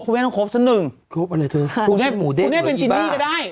คุณแม่ต้องโคปสักหนึ่งโคปอะไรเถอะลูกชิ้นหมูเด้งหรืออีบ้า